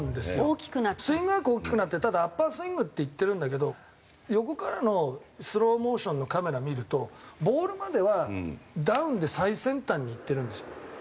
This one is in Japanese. スイングアーク大きくなってただアッパースイングっていってるんだけど横からのスローモーションのカメラ見るとボールまではダウンで最先端にいってるんですよ。